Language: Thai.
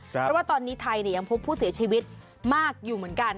เพราะว่าตอนนี้ไทยยังพบผู้เสียชีวิตมากอยู่เหมือนกัน